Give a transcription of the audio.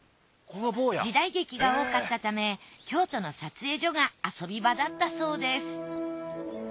時代劇が多かったため京都の撮影所が遊び場だったそうです